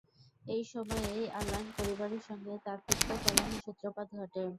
এই সময়েই অ্যালান পরিবারের সঙ্গে তার তিক্ত কলহের সূত্রপাত ঘটে।